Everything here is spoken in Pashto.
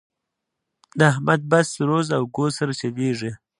د احمد بس روز او ګوز سره چلېږي.